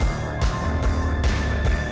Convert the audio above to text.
yang sampai males